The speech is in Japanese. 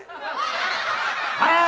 はい。